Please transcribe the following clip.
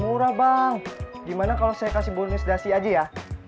murah bang gimana kalau saya kasih bonus dasi aja ya